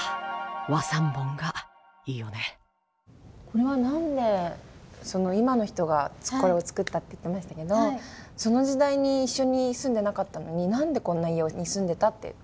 これは何で今の人がこれを作ったって言ってましたけどその時代に一緒に住んでなかったのに何でこんな家に住んでたって判明したんですか？